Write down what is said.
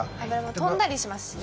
飛んだりしますしね。